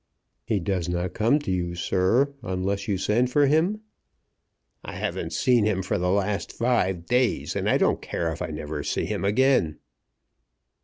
"He does not come to you, sir, unless you send for him?" "I haven't seen him for the last five days, and I don't care if I never see him again."